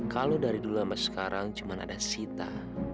kalo dari dulu sampe sekarang cuman ada sita